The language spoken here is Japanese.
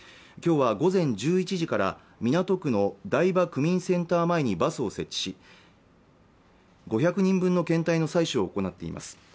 今日は午前１１時から港区の台場区民センター前にバスを設置し５００人分の検体の採取を行っています